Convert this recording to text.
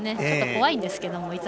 ちょっと怖いんですけども。